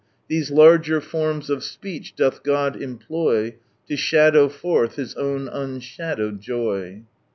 These larger fonns of speech doth God employ To shadow forlli His Own unshadowed joy."